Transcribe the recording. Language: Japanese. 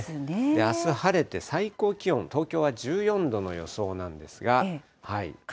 あす、晴れて、最高気温、東京は１４度の予想なんですが。